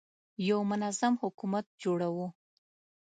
یو منظم حکومت جوړوو.